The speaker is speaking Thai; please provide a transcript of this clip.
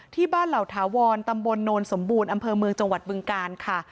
เหล่าถาวรตำบลโนนสมบูรณ์อำเภอเมืองจังหวัดบึงกาลค่ะ